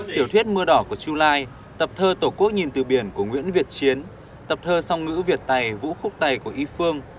tiểu thuyết mưa đỏ của chu lai tập thơ tổ quốc nhìn từ biển của nguyễn việt chiến tập thơ song ngữ việt tài vũ khúc tày của y phương